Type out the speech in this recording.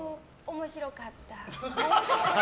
面白かった。